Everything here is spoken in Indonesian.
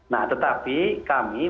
nah tetapi kami